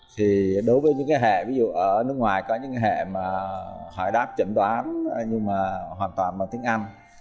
thì đối với những cái hệ ví dụ ở nước ngoài có những cái hệ mà hỏi đáp chỉnh đoán nhưng mà hoàn toàn bằng tiếng anh